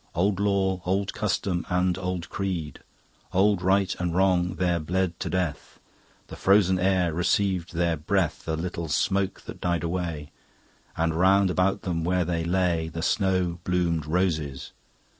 Old law, old custom, and old creed, Old right and wrong there bled to death; The frozen air received their breath, A little smoke that died away; And round about them where they lay The snow bloomed roses.